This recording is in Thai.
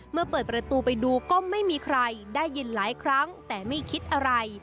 เมื่อเปิดประตูไปดูก็ไม่มีใครได้ยินหลายครั้งแต่ไม่คิดอะไร